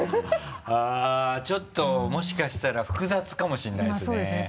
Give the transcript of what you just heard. ちょっともしかしたら複雑かもしれないですね。